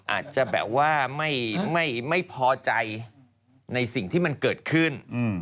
อาจจะแบบว่าไม่พอใจในสิ่งที่มันเกิดขึ้น